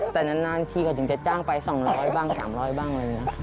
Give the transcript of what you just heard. แต่นานทีก็ถึงจะจ้างไป๒๐๐บ้าง๓๐๐บ้างอะไรอย่างนี้